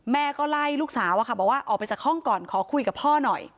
แม่ก็ไล่ลูกสาวบอกว่าออกไปจากห้องก่อนขอคุยกับพ่อหน่อย